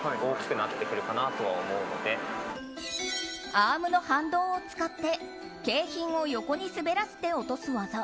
アームの反動を使って景品を横に滑らせて落とす技。